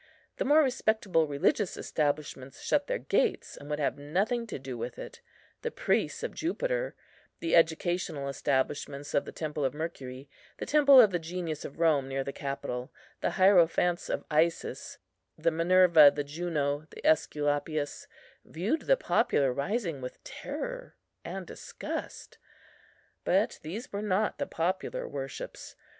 The more respectable religious establishments shut their gates, and would have nothing to do with it. The priests of Jupiter, the educational establishments of the Temple of Mercury, the Temple of the Genius of Rome near the Capitol, the hierophants of Isis, the Minerva, the Juno, the Esculapius, viewed the popular rising with terror and disgust; but these were not the popular worships.